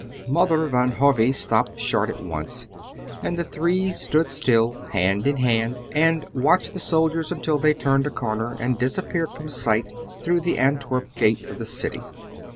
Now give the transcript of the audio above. Mother Van Hove stopped short at once, and the three stood still, hand in hand, and watched the soldiers until they turned a corner and disappeared from sight through the Antwerp gate of the city.